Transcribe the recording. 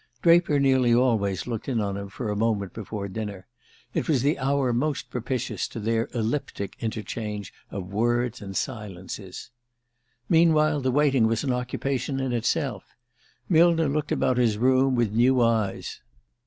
Draper nearly always looked in on him for a moment before dinner: it was the hour most propitious to their elliptic interchange of words and silences. Meanwhile, the waiting was an occupation in itself. Millner looked about his room with new eyes.